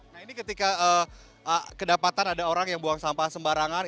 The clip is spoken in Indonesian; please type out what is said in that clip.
nah ini ketika kedapatan ada orang yang buang sampah sembarangan